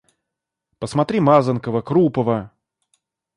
Посмотри Мазанкова, Крупова.